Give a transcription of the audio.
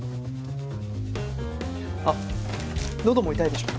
あっのども痛いでしょ？